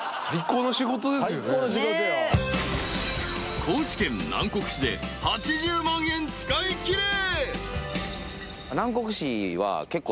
［高知県南国市で８０万円使いきれ］